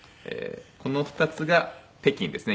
この２つが北京ですね